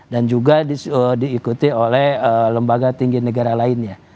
dan juga diikuti oleh lembaga tinggi negara lainnya